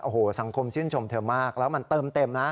โอ้โหสังคมชื่นชมเธอมากแล้วมันเติมเต็มนะ